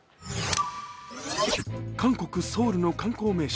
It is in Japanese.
韓国・ソウルの観光名所